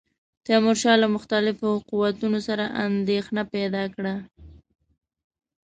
تیمورشاه له مختلفو قوتونو سره اندېښنه پیدا کړه.